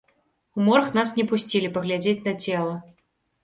У морг нас не пусцілі паглядзець на цела.